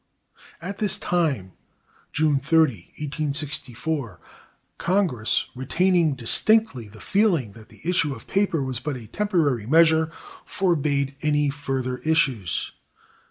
At this time (June 30, 1864) Congress, retaining distinctly the feeling that the issue of paper was but a temporary measure, forbade any further issues.